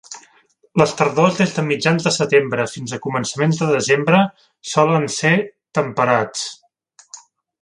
Les tardors, des de mitjans de setembre fins a començaments de desembre, solen ser temperats.